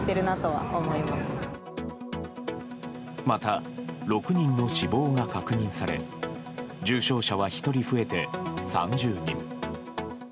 また、６人の死亡が確認され重症者は１人増えて３０人。